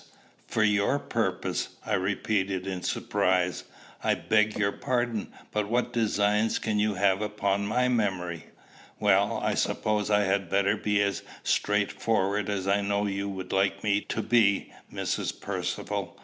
"For your purpose!" I repeated, in surprise. "I beg your pardon; but what designs can you have upon my memory?" "Well, I suppose I had better be as straightforward as I know you would like me to be, Mrs. Percivale.